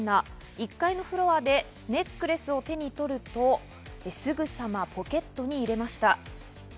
１階のフロアでネックレスを手に取ると、すぐさまポケットに入れました。